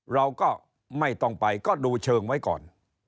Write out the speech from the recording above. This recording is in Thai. เราก็ไม่ต้องไปก็ดูเชิงไว้ก่อน